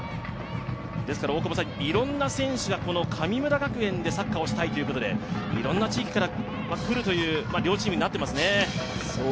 いろんな選手が神村学園でサッカーをしたいということでいろんな地域から来るという両チームになってますね。